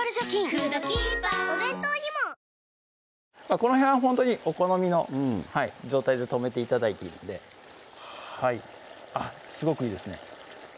この辺はほんとにお好みの状態で止めて頂いていいのではいすごくいいですね